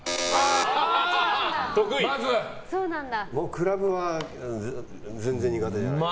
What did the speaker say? クラブは全然苦手じゃないです。